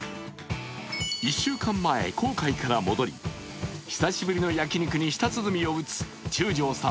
１週間前、公開から戻り久しぶりの焼肉に舌鼓を打つ中條さん